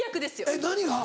えっ何が？